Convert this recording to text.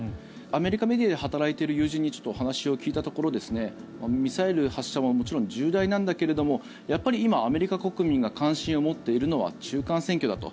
アメリカメディアで働いている友人にちょっとお話を聞いたところミサイル発射ももちろん重大なんだけれどもやっぱり今、アメリカ国民が関心を持っているのは中間選挙だと。